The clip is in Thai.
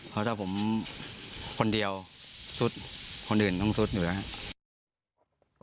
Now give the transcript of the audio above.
เพราะถ้าผมคนเดียวสุดคนอื่นต้องซุดอยู่นะครับ